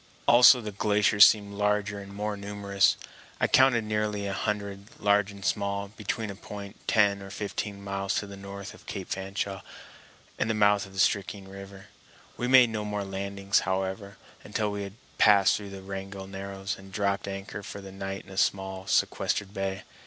Also the glaciers seemed larger and more numerous. I counted nearly a hundred, large and small, between a point ten or fifteen miles to the north of Cape Fanshawe and the mouth of the Stickeen River. We made no more landings, however, until we had passed through the Wrangell Narrows and dropped anchor for the night in a small sequestered bay.